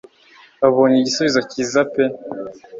babonye igisubizo cyza pe